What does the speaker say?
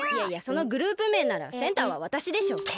いやいやそのグループめいならセンターはわたしでしょ。